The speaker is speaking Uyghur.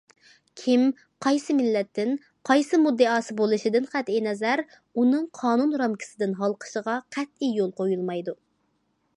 كىم، قايسى مىللەتتىن، قانداق مۇددىئاسى بولۇشىدىن قەتئىينەزەر ئۇنىڭ قانۇن رامكىسىدىن ھالقىشىغا قەتئىي يول قويۇلمايدۇ.